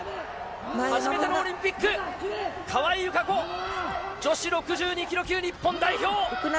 初めてのオリンピック川井友香子、女子６２ｋｇ級日本代表！